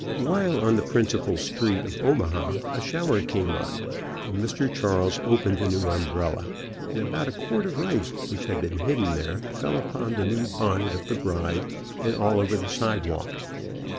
While on the principal street of Omaha a shower came up, and Mr. Charles opened the new umbrella, and about a quart of rice which had been hidden there fell upon the new bonnet of the bride, and all over the sidewalk.